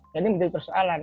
jadi menjadi persoalan